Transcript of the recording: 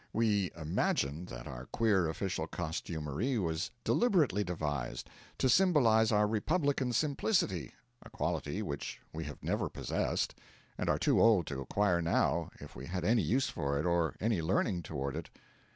We imagine that our queer official costumery was deliberately devised to symbolise our Republican Simplicity a quality which we have never possessed, and are too old to acquire now, if we had any use for it or any leaning toward it.